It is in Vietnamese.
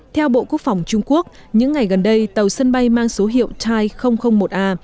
theo bộ quốc phòng trung quốc những ngày gần đây tàu sân bay mang số hiệu tide một a